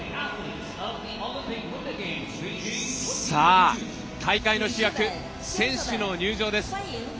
さあ、大会の主役選手の入場です。